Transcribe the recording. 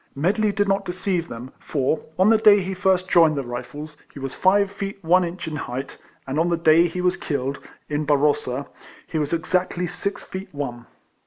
Medley did not deceive them; for, on the day he first joined the Kifles, he was five feet one inch in height, and on the day he was killed, at Barrossa, he was exactly six feet one.